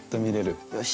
よし。